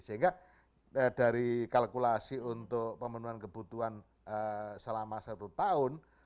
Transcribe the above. sehingga dari kalkulasi untuk pemenuhan kebutuhan selama satu tahun